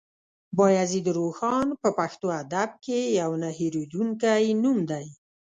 بايزيد روښان په پښتو ادب کې يو نه هېرېدونکی نوم دی.